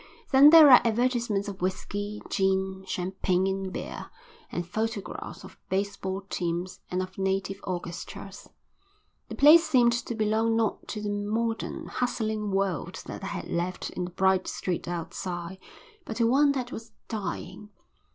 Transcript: Then there are advertisements of whisky, gin, champagne, and beer; and photographs of baseball teams and of native orchestras. The place seemed to belong not to the modern, hustling world that I had left in the bright street outside, but to one that was dying.